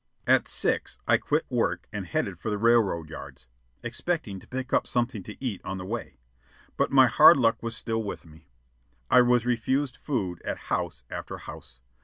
At six I quit work and headed for the railroad yards, expecting to pick up something to eat on the way. But my hard luck was still with me. I was refused food at house after house.